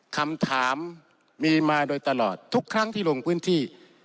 คำถามมีมาโดยตลอดทุกครั้งที่ลงพื้นที่